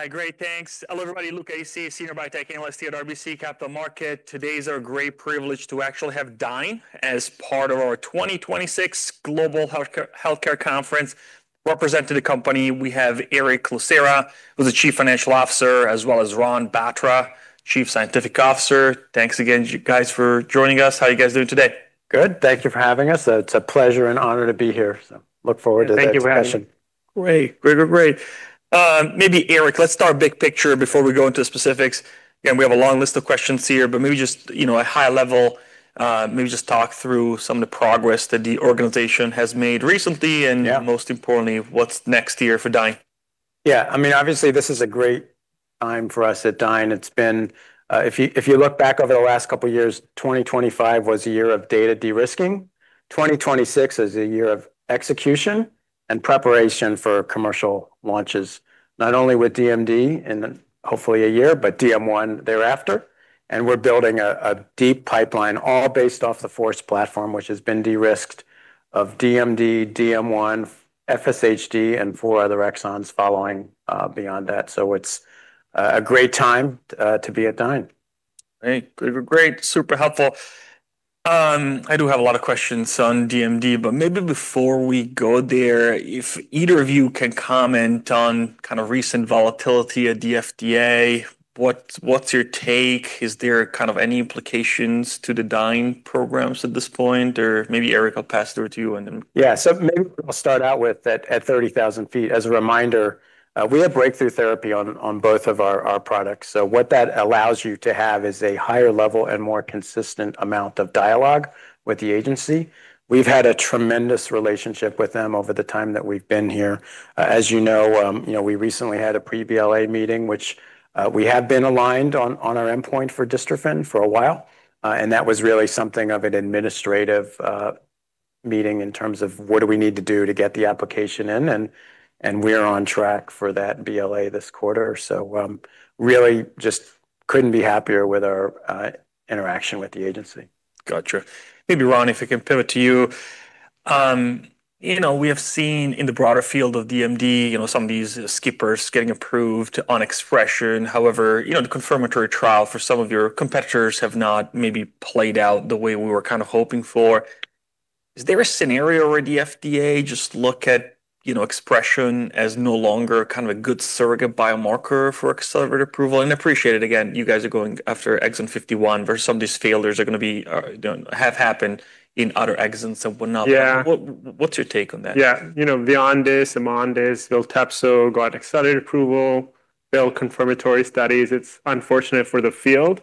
All right. Great. Thanks. Hello, everybody. Luca Issi, senior biotech analyst here at RBC Capital Markets. Today is a great privilege to actually have Dyne as part of our 2026 Global Healthcare Conference. Representing the company, we have Erick J. Lucera, who's the Chief Financial Officer, as well as Ranjan (Ron) Batra, Chief Scientific Officer. Thanks again, you guys, for joining us. How are you guys doing today? Good. Thank you for having us. It's a pleasure and honor to be here, look forward to the discussion. Thank you for having me. Great. Maybe Erick, let's start big picture before we go into the specifics. We have a long list of questions here. Maybe just a high level, maybe just talk through some of the progress that the organization has made recently. Yeah. Most importantly, what's next year for Dyne? Yeah. Obviously, this is a great time for us at Dyne. If you look back over the last couple of years, 2025 was a year of data de-risking. 2026 is a year of execution and preparation for commercial launches, not only with DMD in hopefully a year, but DM1 thereafter. We're building a deep pipeline all based off the FORCE platform, which has been de-risked of DMD, DM1, FSHD, and four other exons following beyond that. It's a great time to be at Dyne. Great. Super helpful. I do have a lot of questions on DMD, but maybe before we go there, if either of you can comment on kind of recent volatility at the FDA. What's your take? Is there kind of any implications to the Dyne programs at this point? Maybe Erick, I'll pass it over to you and then. Yeah. Maybe what I'll start out with at 30,000 ft, as a reminder, we have Breakthrough Therapy on both of our products. What that allows you to have is a higher level and more consistent amount of dialogue with the agency. We've had a tremendous relationship with them over the time that we've been here. As you know, we recently had a Pre-BLA meeting, which we have been aligned on our endpoint for dystrophin for a while. That was really something of an administrative meeting in terms of what do we need to do to get the application in and we're on track for that BLA this quarter. Really just couldn't be happier with our interaction with the agency. Got you. Maybe Ron, if I can pivot to you. We have seen in the broader field of DMD, some of these skippers getting approved on expression. However, the confirmatory trial for some of your competitors have not maybe played out the way we were kind of hoping for. Is there a scenario where the FDA just look at expression as no longer kind of a good surrogate biomarker for Accelerated Approval? Appreciate it, again, you guys are going after exon 51, versus some of these failures have happened in other exons and whatnot. Yeah. What's your take on that? Yeah. VYONDYS, AMONDYS, VILTEPSO got Accelerated Approval, failed confirmatory studies. It's unfortunate for the field,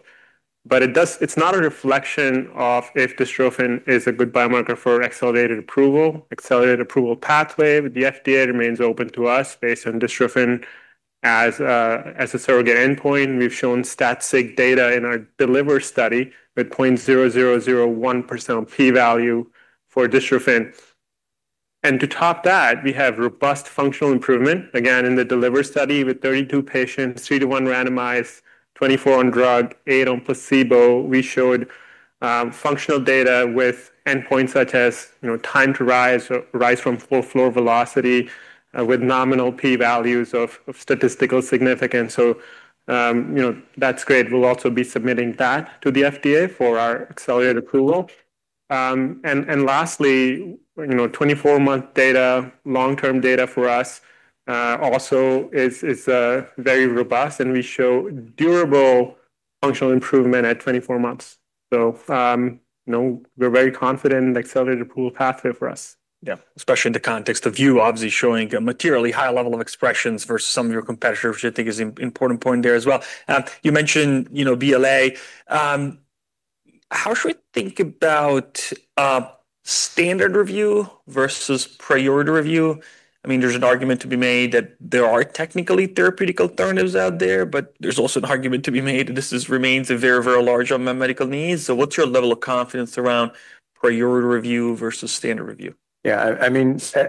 but it's not a reflection of if dystrophin is a good biomarker for Accelerated Approval. Accelerated Approval pathway with the FDA remains open to us based on dystrophin as a surrogate endpoint. We've shown stat sig data in our DELIVER study with 0.0001% p-value for dystrophin. To top that, we have robust functional improvement, again, in the DELIVER study with 32 patients, three to one randomized, 24 on drug, eight on placebo. We showed functional data with endpoints such as time to rise or rise from floor velocity with nominal p-values of statistical significance. That's great. We'll also be submitting that to the FDA for our Accelerated Approval. Lastly, 24-month data, long-term data for us also is very robust, and we show durable functional improvement at 24 months. We're very confident in the Accelerated Approval pathway for us. Yeah. Especially in the context of you obviously showing a materially higher level of expressions versus some of your competitors, which I think is an important point there as well. You mentioned BLA. How should we think about Standard Review versus Priority Review? There's an argument to be made that there are technically therapeutic alternatives out there, but there's also an argument to be made that this remains a very, very large unmet medical need. What's your level of confidence around Priority Review versus Standard Review? Yeah.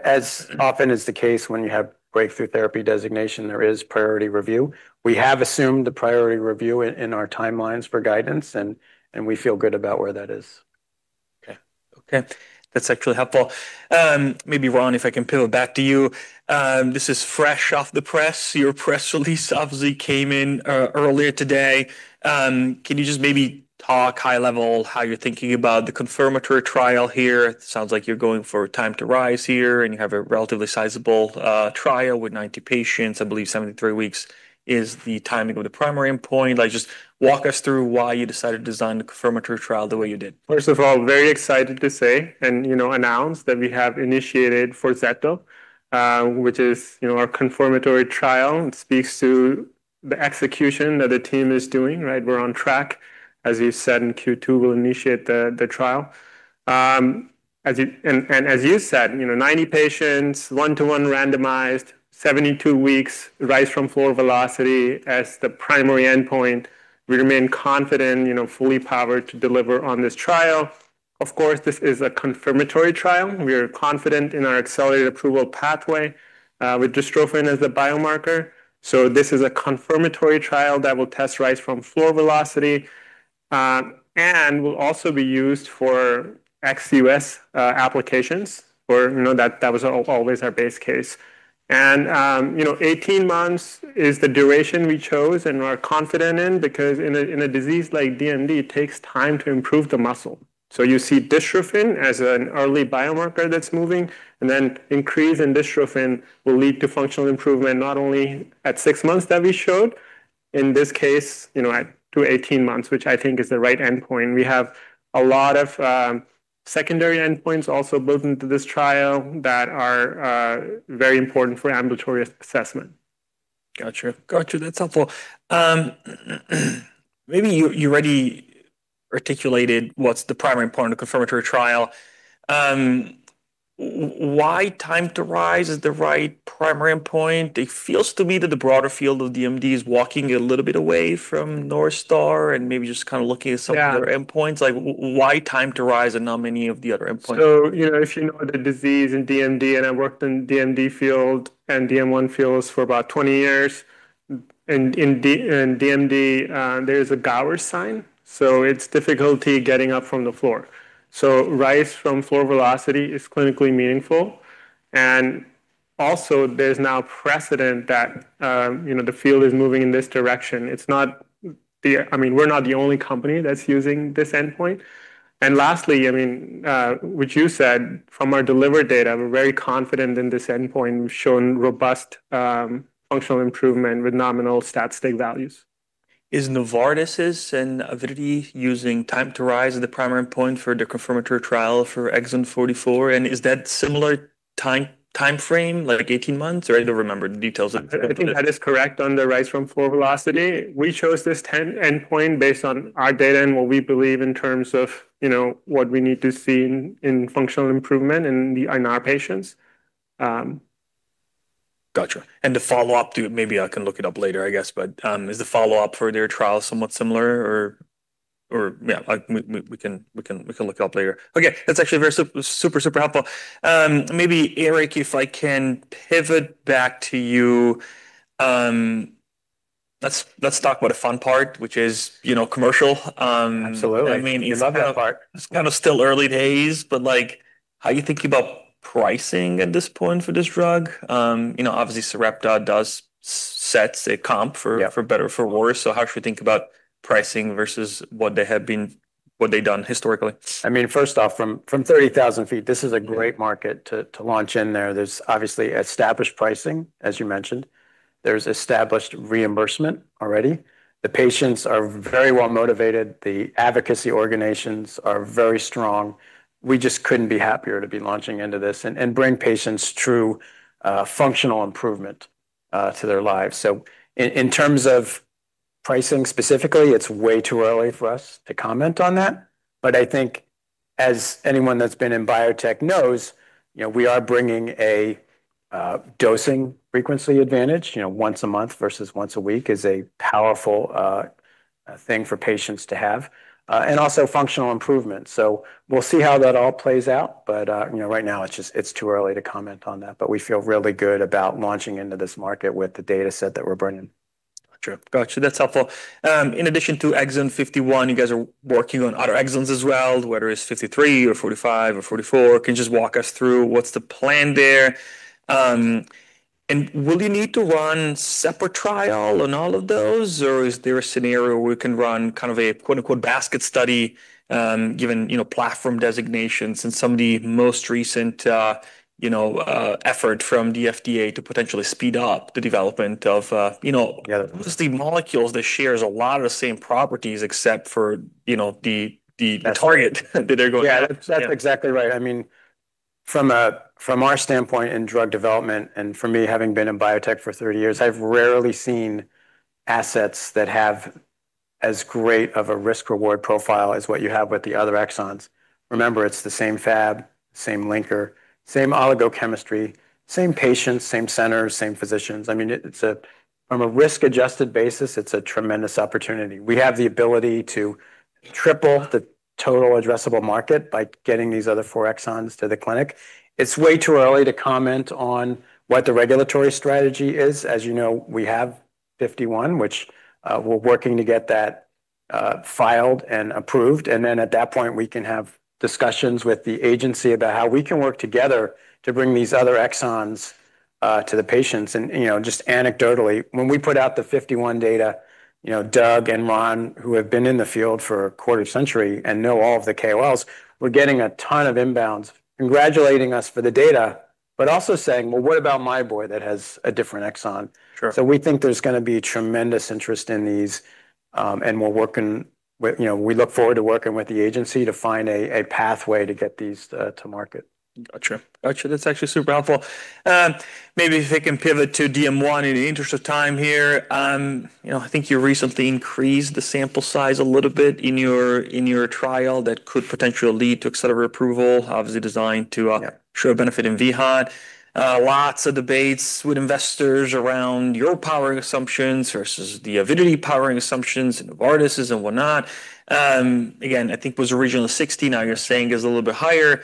As often is the case when you have Breakthrough Therapy designation, there is Priority Review. We have assumed the Priority Review in our timelines for guidance, and we feel good about where that is. Okay. That's actually helpful. Maybe Ron, if I can pivot back to you. This is fresh off the press. Your press release obviously came in earlier today. Can you just maybe talk high level how you're thinking about the confirmatory trial here? It sounds like you're going for a time to rise here, and you have a relatively sizable trial with 90 patients. I believe 73 weeks is the timing of the primary endpoint. Just walk us through why you decided to design the confirmatory trial the way you did. First of all, very excited to say and announce that we have initiated DELIVER, which is our confirmatory trial. It speaks to the execution that the team is doing. We're on track. As you've said, in Q2, we'll initiate the trial. As you said, 90 patients, one-to-one randomized, 72 weeks rise from floor velocity as the primary endpoint. We remain confident, fully powered to deliver on this trial. Of course, this is a confirmatory trial. We are confident in our Accelerated Approval pathway with dystrophin as the biomarker. This is a confirmatory trial that will test rise from floor velocity and will also be used for ex U.S. applications or that was always our base case. 18 months is the duration we chose and we're confident in because in a disease like DMD, it takes time to improve the muscle. You see dystrophin as an early biomarker that's moving, and then increase in dystrophin will lead to functional improvement not only at six months that we showed, in this case, at through 18 months, which I think is the right endpoint. We have a lot of secondary endpoints also built into this trial that are very important for ambulatory assessment. Got you. That's helpful. Maybe you already articulated what's the primary point of the confirmatory trial. Why time to rise is the right primary endpoint? It feels to me that the broader field of DMD is walking a little bit away from North Star and maybe just kind of looking at. Yeah. Other endpoints. Why time to rise and not many of the other endpoints? If you know the disease in DMD, and I worked in DMD field and DM1 fields for about 20 years, and in DMD, there is a Gowers' sign, so it's difficulty getting up from the floor. Rise from floor velocity is clinically meaningful. Also there's now precedent that the field is moving in this direction. We're not the only company that's using this endpoint. Lastly, which you said from our DELIVER data, we're very confident in this endpoint. We've shown robust functional improvement with nominal stat values. Is Novartis' and Avidity using time to rise as the primary endpoint for the confirmatory trial for exon 44, is that similar timeframe, like 18 months? I think that is correct on the rise from floor velocity. We chose this endpoint based on our data and what we believe in terms of what we need to see in functional improvement in our patients. Got you. The follow-up to it, maybe I can look it up later I guess, but is the follow-up for their trial somewhat similar or? Yeah, we can look it up later. Okay, that's actually very super helpful. Maybe Erick, if I can pivot back to you, let's talk about the fun part, which is commercial. Absolutely. I love that part. It's kind of still early days, but how are you thinking about pricing at this point for this drug? Obviously Sarepta does set. Yeah. For better or for worse, how should we think about pricing versus what they have done historically? First off, from 30,000 ft, this is a great market to launch in there. There's obviously established pricing, as you mentioned. There's established reimbursement already. The patients are very well motivated. The advocacy organizations are very strong. We just couldn't be happier to be launching into this, and bring patients true functional improvement to their lives. In terms of pricing specifically, it's way too early for us to comment on that, but I think as anyone that's been in biotech knows, we are bringing a dosing frequency advantage, once a month versus once a week is a powerful thing for patients to have. Also functional improvement. We'll see how that all plays out, but right now it's too early to comment on that. We feel really good about launching into this market with the data set that we're bringing. Got you. That's helpful. In addition to exon 51, you guys are working on other exons as well, whether it's 53 or 45 or 44. Can you just walk us through what's the plan there? Will you need to run separate trial on all of those, or is there a scenario where you can run kind of a quote-unquote basket study, given platform designations and some of the most recent effort from the FDA to potentially speed up the development? Yeah. mostly molecules that shares a lot of the same properties except for the target. Yeah. that they're going after. Yeah. That's exactly right. From our standpoint in drug development, for me, having been in biotech for 30 years, I've rarely seen assets that have as great of a risk-reward profile as what you have with the other exons. Remember, it's the same Fab, same linker, same oligo chemistry, same patients, same centers, same physicians. From a risk-adjusted basis, it's a tremendous opportunity. We have the ability to triple the total addressable market by getting these other four exons to the clinic. It's way too early to comment on what the regulatory strategy is. As you know, we have 51, which we're working to get that filed and approved, then at that point, we can have discussions with the agency about how we can work together to bring these other exons to the patients. Just anecdotally, when we put out the 51 data, Doug and Ron, who have been in the field for a quarter century and know all of the KOLs, were getting a ton of inbounds congratulating us for the data, but also saying, "Well, what about my boy that has a different exon? Sure. We think there's going to be tremendous interest in these, and we look forward to working with the agency to find a pathway to get these to market. Got you. That's actually super helpful. Maybe if we can pivot to DM1 in the interest of time here. I think you recently increased the sample size a little bit in your trial that could potentially lead to Accelerated Approval. Yeah. Show a benefit in vHOT. Lots of debates with investors around your powering assumptions versus the Avidity powering assumptions, and Novartis' and whatnot. Again, I think it was originally 60, now you're saying it's a little bit higher.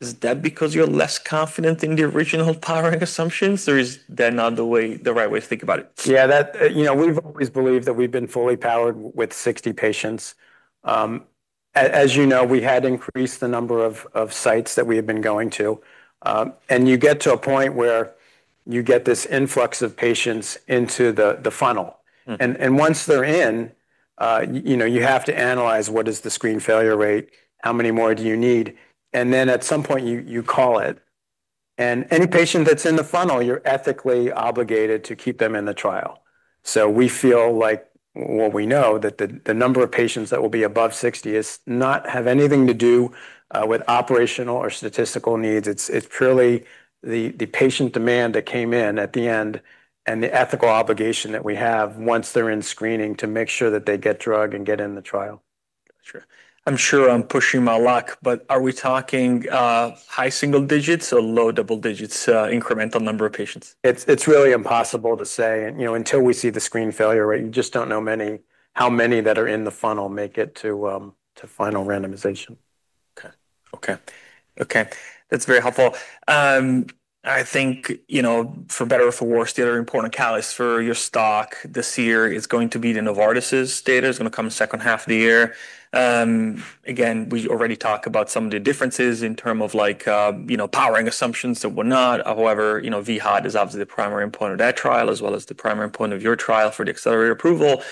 Is that because you're less confident in the original powering assumptions, or is that not the right way to think about it? Yeah. We've always believed that we've been fully powered with 60 patients. As you know, we had increased the number of sites that we have been going to. You get to a point where you get this influx of patients into the funnel. Once they're in, you have to analyze what is the screen failure rate, how many more do you need, and then at some point, you call it. Any patient that's in the funnel, you're ethically obligated to keep them in the trial. We feel like, well, we know that the number of patients that will be above 60 is not have anything to do with operational or statistical needs. It's purely the patient demand that came in at the end and the ethical obligation that we have once they're in screening to make sure that they get drug and get in the trial. Got you. I'm sure I'm pushing my luck, but are we talking high single digits or low double digits incremental number of patients? It's really impossible to say. Until we see the screen failure rate, you just don't know how many that are in the funnel make it to final randomization. Okay. That's very helpful. I think, for better or for worse, the other important catalyst for your stock this year is going to be the Novartis' data, is going to come the second half of the year. We already talk about some of the differences in term of powering assumptions and whatnot. vHOT is obviously the primary endpoint of that trial, as well as the primary endpoint of your trial for the Accelerated Approval.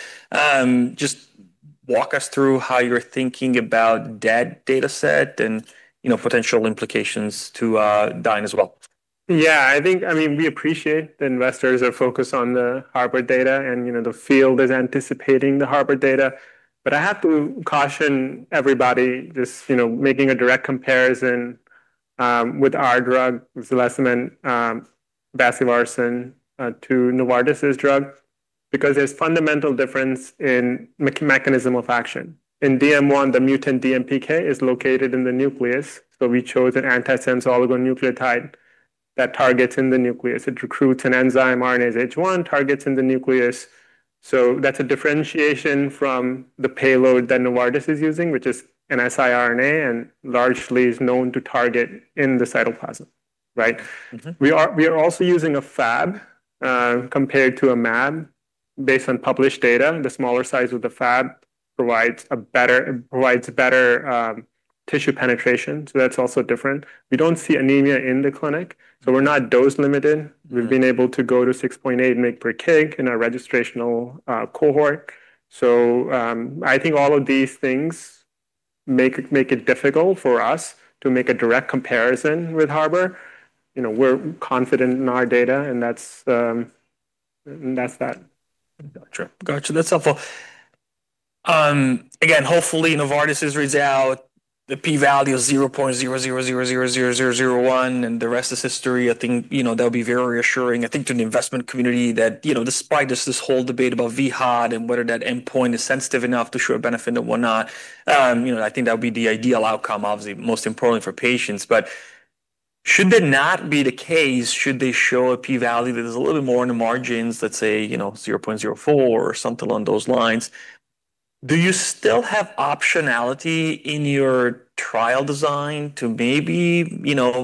Walk us through how you're thinking about that data set and potential implications to Dyne as well. Yeah. I think, we appreciate the investors are focused on the HARBOR data, and the field is anticipating the HARBOR data. I have to caution everybody just making a direct comparison with our drug, zeleciment basivarsen, to Novartis' drug because there's fundamental difference in mechanism of action. In DM1, the mutant DMPK is located in the nucleus, so we chose an antisense oligonucleotide that targets in the nucleus. It recruits an enzyme, RNase H1, targets in the nucleus. That's a differentiation from the payload that Novartis is using, which is an siRNA, and largely is known to target in the cytoplasm. Right. We are also using a Fab, compared to a mAb. Based on published data, the smaller size of the Fab provides better tissue penetration. That's also different. We don't see anemia in the clinic. We're not dose-limited. We've been able to go to 6.8 mg/kg in our registrational cohort. I think all of these things make it difficult for us to make a direct comparison with HARBOR. We're confident in our data. That's that. Got you. That's helpful. Hopefully Novartis' result, the P-value of 0.00000001 and the rest is history. I think that'll be very reassuring, I think to the investment community that despite this whole debate about HVAD and whether that endpoint is sensitive enough to show a benefit or whatnot, I think that would be the ideal outcome, obviously most importantly for patients. Should that not be the case, should they show a P-value that is a little bit more in the margins, let's say 0.04 or something along those lines, do you still have optionality in your trial design to maybe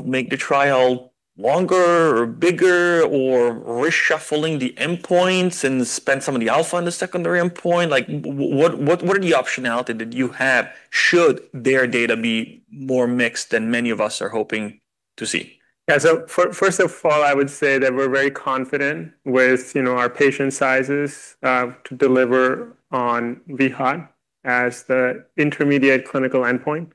make the trial longer or bigger or reshuffling the endpoints and spend some of the alpha on the secondary endpoint? What are the optionality that you have should their data be more mixed than many of us are hoping to see? Yeah. First of all, I would say that we're very confident with our patient sizes, to deliver on HVAD as the intermediate clinical endpoint.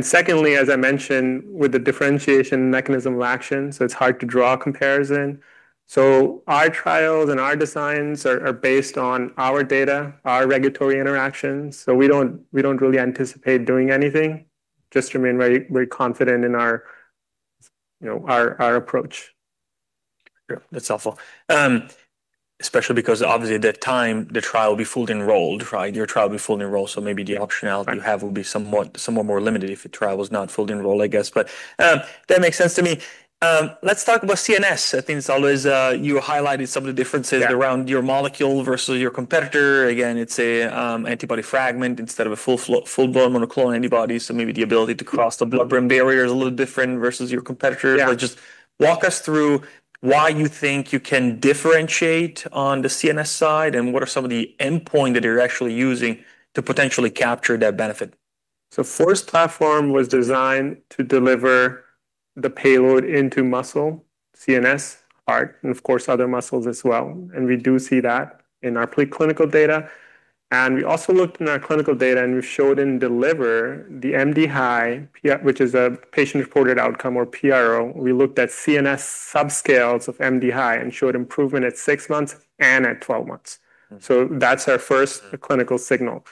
Secondly, as I mentioned, with the differentiation mechanism of action, so it's hard to draw a comparison. Our trials and our designs are based on our data, our regulatory interactions, so we don't really anticipate doing anything, just remain very confident in our approach. Yeah. That's helpful. Especially because obviously at that time, the trial will be fully enrolled. Right? Your trial will be fully enrolled, so maybe the optionality you have will be somewhat more limited if your trial was not fully enrolled, I guess. That makes sense to me. Let's talk about CNS. I think it's always, you highlighted some of the differences. Yeah. Around your molecule versus your competitor. It's an antibody fragment instead of a full-blown monoclonal antibody, so maybe the ability to cross the blood-brain barrier is a little different versus your competitor. Yeah. Just walk us through why you think you can differentiate on the CNS side and what are some of the endpoints that you're actually using to potentially capture that benefit? FORCE platform was designed to deliver the payload into muscle, CNS, heart, and of course, other muscles as well, and we do see that in our preclinical data. We also looked in our clinical data, and we showed in DELIVER the MDHI, which is a patient-reported outcome or PRO. We looked at CNS subscales of MDHI and showed improvement at six months and at 12 months. That's our first clinical signal.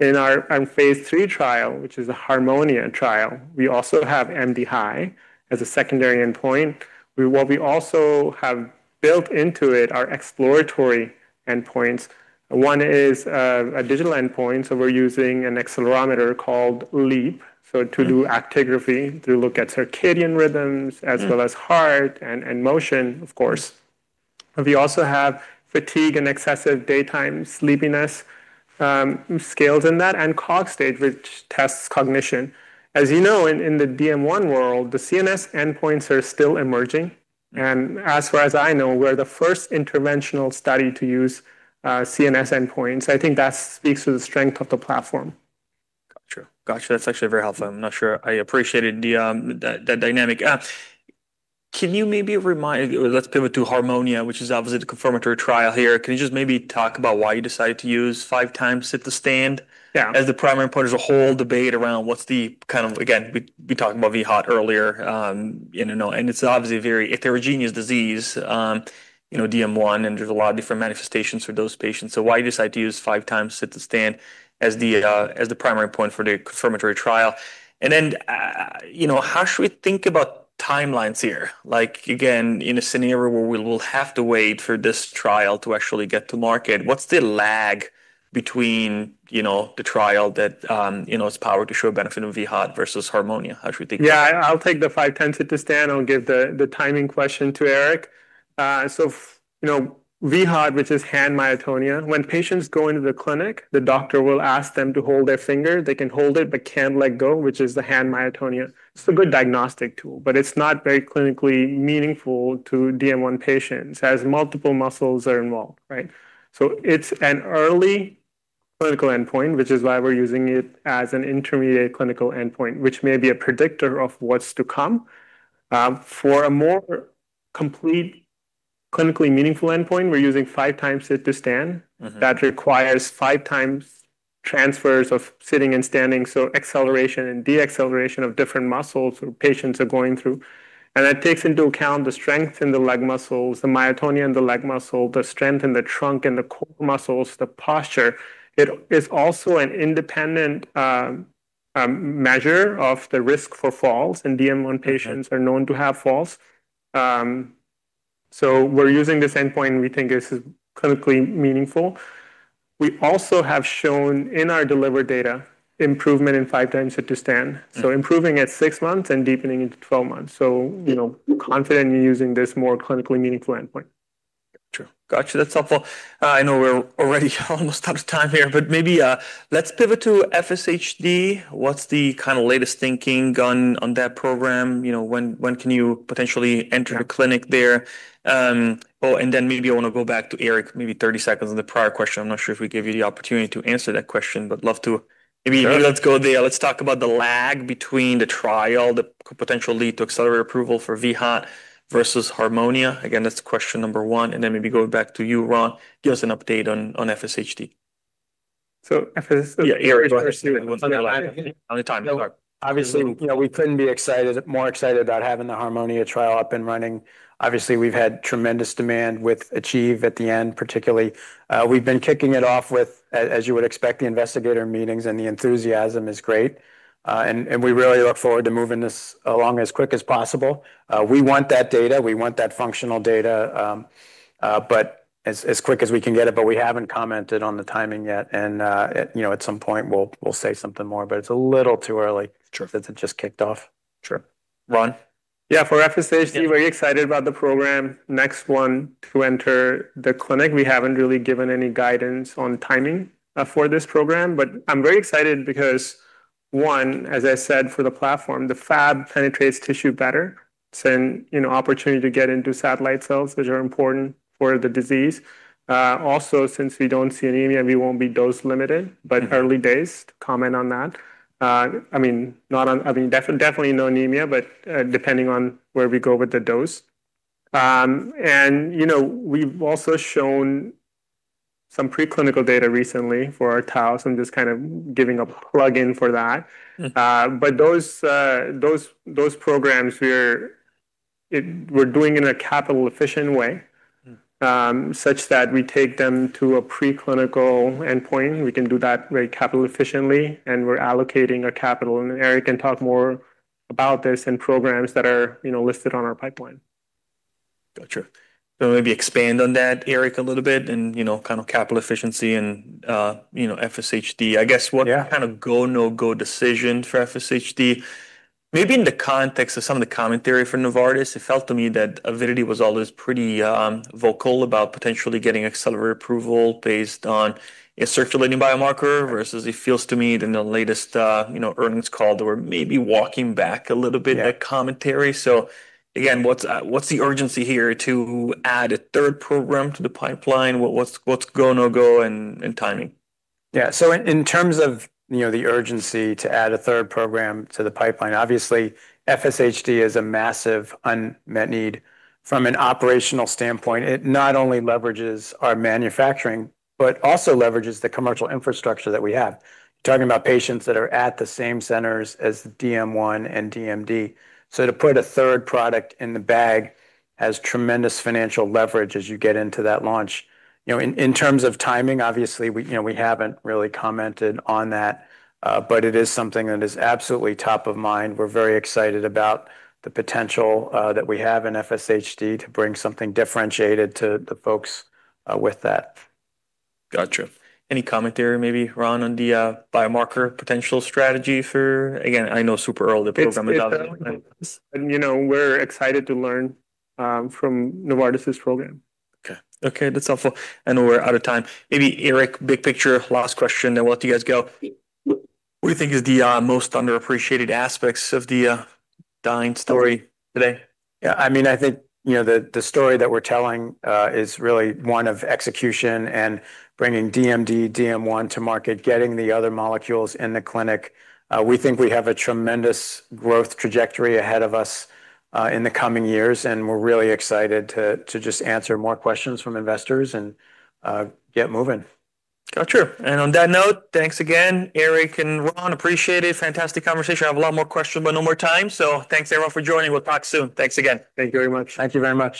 In our phase III trial, which is a HARMONIA trial, we also have MDHI as a secondary endpoint. What we also have built into it are exploratory endpoints. One is a digital endpoint. We're using an accelerometer called Leap. To do actigraphy, to look at circadian rhythms. as well as heart and motion, of course. We also have fatigue and excessive daytime sleepiness scales in that, and Cogstate, which tests cognition. As you know, in the DM1 world, the CNS endpoints are still emerging, and as far as I know, we're the first interventional study to use CNS endpoints. I think that speaks to the strength of the platform. Got you. That's actually very helpful. I'm not sure I appreciated that dynamic. Let's pivot to HARMONIA, which is obviously the confirmatory trial here. Can you just maybe talk about why you decided to use five-times sit-to-stand? Yeah. as the primary point? There's a whole debate around what's the kind of. Again, we talked about vHOT earlier, and it's obviously a very heterogeneous disease, DM1, and there's a lot of different manifestations for those patients. Why decide to use five-times sit-to-stand as the primary point for the confirmatory trial? How should we think about timelines here? Again, in a scenario where we will have to wait for this trial to actually get to market, what's the lag between the trial that is powered to show a benefit of vHOT versus HARMONIA? How should we think about that? Yeah, I'll take the five-times sit-to-stand. I'll give the timing question to Erick J. Lucera. vHOT, which is hand myotonia. When patients go into the clinic, the doctor will ask them to hold their finger. They can hold it, but can't let go, which is the hand myotonia. It's a good diagnostic tool, but it's not very clinically meaningful to DM1 patients, as multiple muscles are involved, right? It's an early clinical endpoint, which is why we're using it as an intermediate clinical endpoint, which may be a predictor of what's to come. For a more complete, clinically meaningful endpoint, we're using five-times sit-to-stand. That requires five times transfers of sitting and standing, so acceleration and deceleration of different muscles patients are going through. That takes into account the strength in the leg muscles, the myotonia in the leg muscle, the strength in the trunk and the core muscles, the posture. It is also an independent measure of the risk for falls, and DM1 patients are known to have falls. We're using this endpoint, and we think this is clinically meaningful. We also have shown in our DELIVER data improvement in five-times sit-to-stand. Improving at 6 months and deepening into 12 months. Confident in using this more clinically meaningful endpoint. Got you. That's helpful. I know we're already almost out of time here, maybe let's pivot to FSHD. What's the latest thinking on that program? When can you potentially enter the clinic there? Maybe I want to go back to Erick, maybe 30 seconds on the prior question. I'm not sure if we gave you the opportunity to answer that question, love to. Sure. Maybe let's go there. Let's talk about the lag between the trial that could potentially lead to Accelerated Approval for VHOT versus HARMONIA. That's question number one, and then maybe going back to you, Ron, give us an update on FSHD. FSHD- Yeah, Erick, go ahead. We're running out of time. Sorry Obviously, we couldn't be more excited about having the HARMONIA trial up and running. Obviously, we've had tremendous demand with ACHIEVE at the end, particularly. We've been kicking it off with, as you would expect, the investigator meetings, and the enthusiasm is great. We really look forward to moving this along as quick as possible. We want that data. We want that functional data, but as quick as we can get it, but we haven't commented on the timing yet. At some point, we'll say something more, but it's a little too early. Sure. Since it just kicked off. Sure. Ron? Yeah, for FSHD, very excited about the program. Next one to enter the clinic. We haven't really given any guidance on timing for this program, but I'm very excited because, one, as I said, for the platform, the Fab penetrates tissue better. It's an opportunity to get into satellite cells, which are important for the disease. Also, since we don't see anemia, we won't be dose limited, but early days to comment on that. Definitely no anemia, but depending on where we go with the dose. We've also shown some pre-clinical data recently for our tau, so I'm just kind of giving a plug-in for that. Those programs, we're doing in a capital efficient way. such that we take them to a pre-clinical endpoint. We can do that very capital efficiently, and we're allocating our capital. Erick can talk more about this in programs that are listed on our pipeline. Got you. Maybe expand on that, Erick, a little bit, and capital efficiency and FSHD. Yeah. kind of go, no-go decision for FSHD, maybe in the context of some of the commentary for Novartis. It felt to me that Avidity was always pretty vocal about potentially getting Accelerated Approval based on a circulating biomarker versus it feels to me in the latest earnings call, they were maybe walking back a little bit. Yeah. ...that commentary. Again, what's the urgency here to add a third program to the pipeline? What's go, no-go, and timing? In terms of the urgency to add a third program to the pipeline, obviously FSHD is a massive unmet need. From an operational standpoint, it not only leverages our manufacturing but also leverages the commercial infrastructure that we have. Talking about patients that are at the same centers as DM1 and DMD. To put a third product in the bag has tremendous financial leverage as you get into that launch. In terms of timing, obviously, we haven't really commented on that. It is something that is absolutely top of mind. We're very excited about the potential that we have in FSHD to bring something differentiated to the folks with that. Got you. Any commentary maybe, Ron, on the biomarker potential strategy for Again, I know super early program development? It's early. We're excited to learn from Novartis' program. Okay. That's helpful. I know we're out of time. Maybe Erick, big picture, last question, then we'll let you guys go. What do you think is the most underappreciated aspects of the Dyne story today? Yeah. I think the story that we're telling is really one of execution and bringing DMD, DM1 to market, getting the other molecules in the clinic. We think we have a tremendous growth trajectory ahead of us in the coming years, and we're really excited to just answer more questions from investors and get moving. Got you. On that note, thanks again, Erick and Ranjan. Appreciate it. Fantastic conversation. I have a lot more questions, but no more time. Thanks everyone for joining. We'll talk soon. Thanks again. Thank you very much. Thank you very much.